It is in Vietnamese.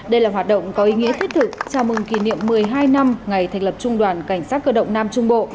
đây là hoạt động có ý nghĩa thiết thực chào mừng kỷ niệm một mươi hai năm ngày thành lập trung đoàn cảnh sát cơ động nam trung bộ